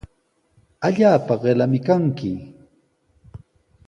Allaapa qillami kanki.